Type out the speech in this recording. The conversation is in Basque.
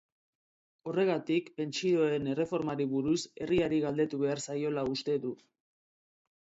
Horregatik, pentsioen erreformari buruz herriari galdetu behar zaiola uste du.